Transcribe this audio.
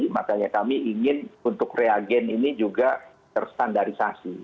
makanya kami ingin untuk reagen ini juga terstandarisasi